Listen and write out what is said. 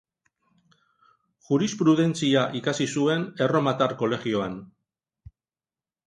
Jurisprudentzia ikasi zuen Erromatar Kolegioan.